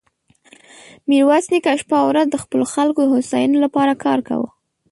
ميرويس نيکه شپه او ورځ د خپلو خلکو د هوساينې له پاره کار کاوه.